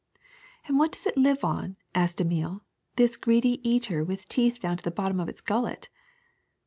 *^And what does it live on," asked Emile, ^Hhis greedy eater with teeth down to the bottom of its gullet?"